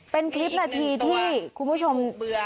เป็นคลิปนาทีที่คุณผู้ชม